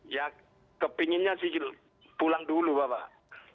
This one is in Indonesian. ya kepinginnya sih pulang dulu bapak